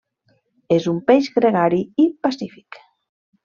És un peix gregari i pacífic.